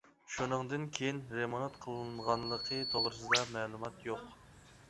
شۇنىڭدىن كېيىن رېمونت قىلىنغانلىقى توغرىسىدا مەلۇمات يوق.